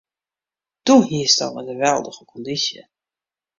Doe hiest al in geweldige kondysje.